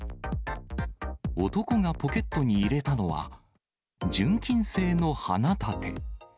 男がポケットに入れたのは、純金製の花立て。